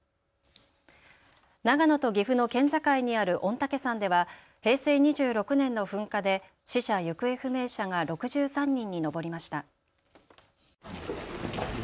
長野と岐阜の県境にある御嶽山では平成２６年の噴火で死者・行方不明者が６３人に上りました。